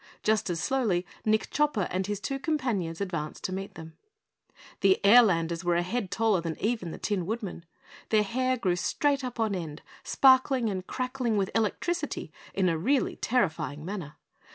Just as slowly, Nick Chopper and his two companions advanced to meet them. The Airlanders were a head taller than even the Tin Woodman. Their hair grew straight up on end, sparkling and crackling with electricity in a really terrifying manner.